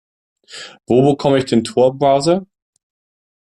Wo bekomme ich den Tor-Browser?